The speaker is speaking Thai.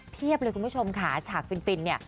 เลยคุณผู้ชมค่ะฉากฟินเนี่ย